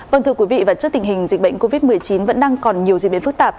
vâng thưa quý vị và trước tình hình dịch bệnh covid một mươi chín vẫn đang còn nhiều diễn biến phức tạp